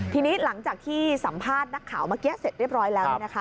ทีนี้หลังจากที่สัมภาษณ์นักข่าวเมื่อกี้เสร็จเรียบร้อยแล้ว